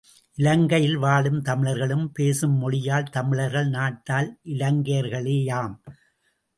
இலங்கையில் வாழும் தமிழர்களும் பேசும் மொழியால் தமிழர்கள் நாட்டால் இலங்கையர்களேயாம்.